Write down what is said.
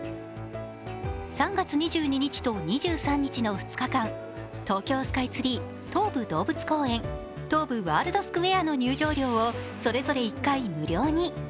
３月２２日と２３日の２日間東京スカイツリー、東武動物公園、東武ワールドスクウェアの入場料をそれぞれ１回無料に。